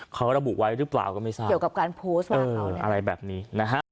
เขาระบุไว้หรือเปล่าก็ไม่ทราบเกี่ยวกับการโพสต์ว่าเขาอะไรแบบนี้นะฮะ